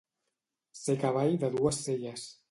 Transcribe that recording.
Ser cavall de dues selles.